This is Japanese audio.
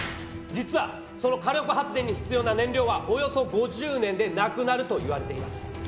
実はその火力発電に必要な燃料はおよそ５０年で無くなるといわれています。